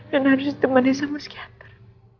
dan harus ditemani sama skeeter